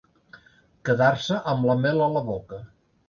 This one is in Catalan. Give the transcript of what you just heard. Quedar-se amb la mel a la boca.